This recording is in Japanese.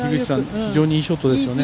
非常にいいショットですよね。